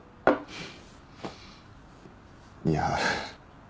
いや。